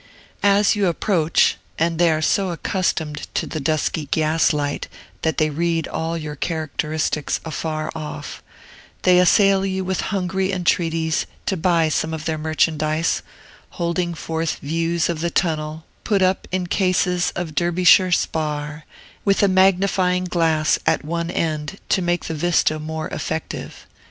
As you approach (and they are so accustomed to the dusky gaslight that they read all your characteristics afar off), they assail you with hungry entreaties to buy some of their merchandise, holding forth views of the Tunnel put up in cases of Derbyshire spar, with a magnifying glass at one end to make the vista more effective.